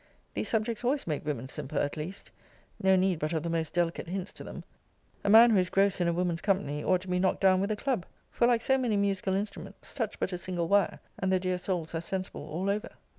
These subjects always make women simper, at least. No need but of the most delicate hints to them. A man who is gross in a woman's company, ought to be knocked down with a club: for, like so many musical instruments, touch but a single wire, and the dear souls are sensible all over.